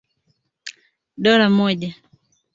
dola moja